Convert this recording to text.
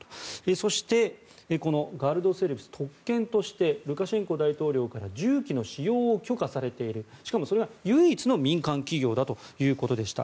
そしてこのガルドセルビス特権としてルカシェンコ大統領から銃器の使用を許可されているしかもそれが唯一の民間企業だということでした。